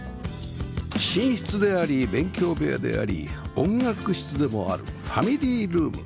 寝室であり勉強部屋であり音楽室でもあるファミリールーム